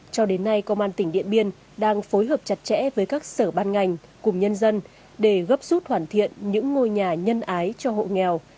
cho đến nay công an tỉnh điện biên đang phối hợp chặt chẽ với các sở ban ngành cùng nhân dân để gấp rút hoàn thiện những ngôi nhà nhân ái cho hộ nghèo